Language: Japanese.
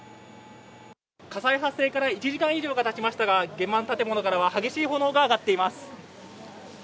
火災発生から１時間以上がたちましたが、現場の建物からは激しい炎が上がっています。